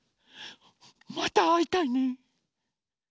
またあいたいね。